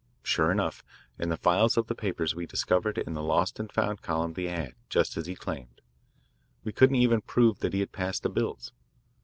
Sure enough, in the files of the papers we discovered in the lost and found column the ad, just as he claimed. We couldn't even prove that he had passed the bills.